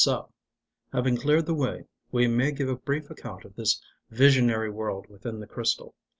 So having cleared the way, we may give a brief account of this visionary world within the crystal.